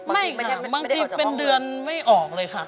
บางทีเป็นเดือนไม่ออกเลยค่ะ